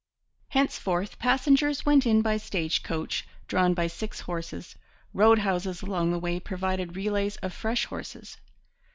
Henceforth passengers went in by stage coach drawn by six horses. Road houses along the way provided relays of fresh horses.